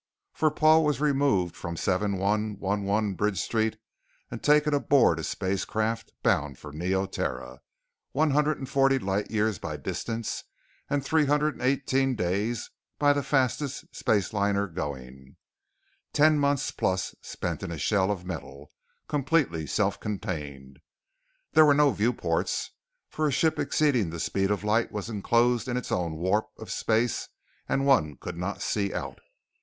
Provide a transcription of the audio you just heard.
For Paul was removed from 7111 Bridge Street and taken aboard a spacecraft bound for Neoterra, one hundred and forty light years by distance and three hundred and eighteen days by the fastest spaceliner going. Ten months plus, spent in a shell of metal, completely self contained. There were no viewports for a ship exceeding the speed of light was enclosed in its own warp of space and one could not see out.